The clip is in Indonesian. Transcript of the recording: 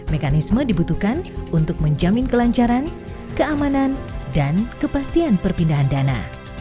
mekanisme dibutuhkan untuk menjamin kelancaran keamanan dan kepastian perpindahan dana